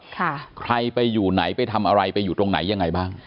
ใครไปอยู่ไหนไปทำอะไรไปอยู่ตรงไหนยังไงบ้าง